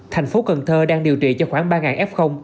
thành phố cần thơ đang điều trị cho khoảng ba f